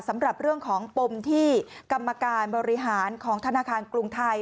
สำหรับเรื่องของปมที่กรรมการบริหารของธนาคารกรุงไทย